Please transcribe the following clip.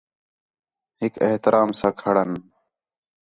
ہِک احترام ساں کھڑݨ